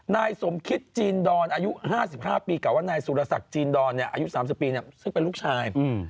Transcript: นายสมคิตจีนดอนอายุ๕๕ปีเก่าว่านายสุรศักดิ์จีนดอนอายุ๓๐ปีซึ่งเป็นลูกชาย